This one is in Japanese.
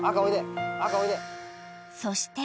［そして］